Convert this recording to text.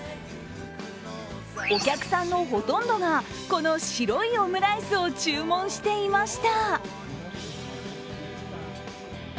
お客さんのほとんどがこの白いオムライスを注文していました。